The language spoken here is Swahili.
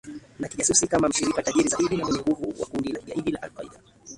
na kijasusi kama mshirika tajiri zaidi na mwenye nguvu wa kundi la kigaidi la al Qaida